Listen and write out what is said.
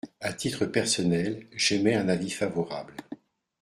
À titre personnel, j’émets un avis favorable.